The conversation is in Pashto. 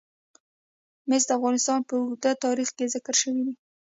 مس د افغانستان په اوږده تاریخ کې ذکر شوی دی.